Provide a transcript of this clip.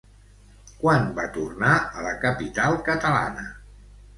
Quan va tornar a la capital catalana?